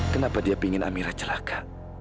kenapa dia pingin amira celaka